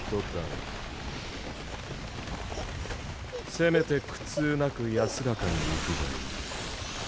せめて苦痛なく安らかに逝くがいい。